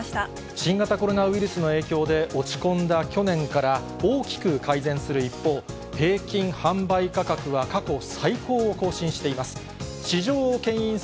新型コロナウイルスの影響で落ち込んだ去年から、大きく改善する一方、平均販売価格は過去最高を更新しています。